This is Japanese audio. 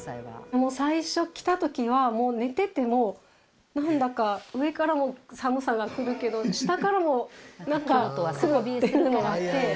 最初来た時はもう寝ててもなんだか上からも寒さがくるけど下からもなんかくるっていうのがあって。